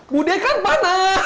bu deh kan panas